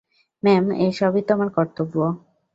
Ma'am, এ সবই তো আমার কর্তব্য।